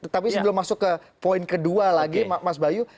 tapi sebelum masuk ke poin kedua lagi mas bayu